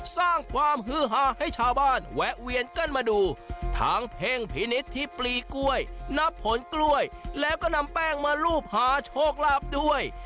สร้างความฮือหาให้ชาวบ้านแวะเวียนกันมาดูทั้งเพ่งพินิษฐ์ที่ปลีกล้วยนับผลกล้วยแล้วก็นำแป้งมารูปหาโชคลาภด้วย